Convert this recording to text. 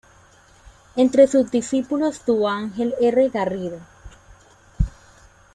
Entre sus discípulos tuvo a Ángel R. Garrido.